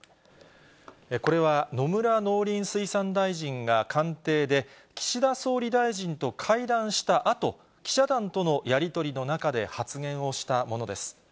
これは野村農林水産大臣が官邸で岸田総理大臣と会談したあと、記者団とのやり取りの中で発言をしたものです。